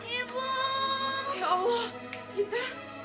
ya allah kita